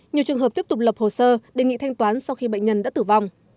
nhiều trường hợp tiếp tục lập hồ sơ đề nghị thanh toán sau khi bệnh nhân đã tử vong